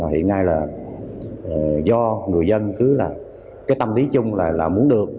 hiện nay là do người dân cứ là cái tâm lý chung là muốn được